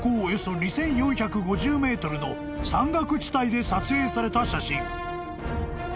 およそ２，４５０ｍの山岳地帯で撮影された写真］